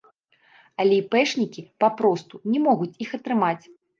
Але іпэшнікі папросту не могуць іх атрымаць.